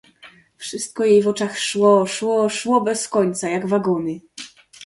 "Wszystko jej w oczach szło, szło, szło bez końca, jak wagony."